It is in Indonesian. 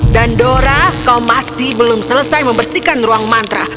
dan dora kau masih belum selesai membersihkan ruang mantra